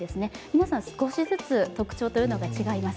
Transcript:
皆さん、少しずつ特徴が違います。